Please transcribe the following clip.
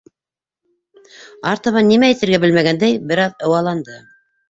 Артабан нимә әйтергә белмәгәндәй, бер аҙ ыуаланды.